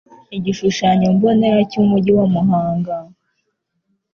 igishushanyombonera cy'Umugi wa Muhanga